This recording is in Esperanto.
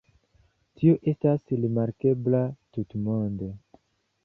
Tio estas rimarkebla tutmonde.